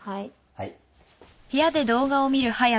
はい。